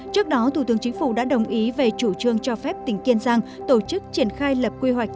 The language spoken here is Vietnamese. trước đó thủ tướng chính phủ đã đồng ý về chủ trương cho phép tỉnh kiên giang tổ chức triển khai lập quy hoạch